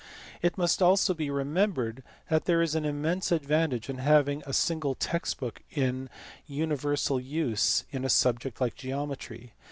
It must be also remembered that there is an immense advantage in having a single text book in universal use in a subject like geometry.